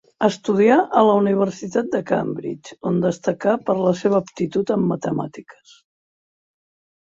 Estudià a la universitat de Cambridge, on destacà per la seva aptitud en matemàtiques.